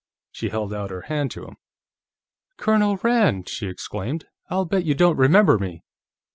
She held out her hand to him. "Colonel Rand!" she exclaimed. "I'll bet you don't remember me."